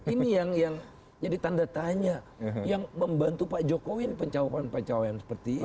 ini yang jadi tanda tanya yang membantu pak jokowi pencapaian pencapaian seperti ini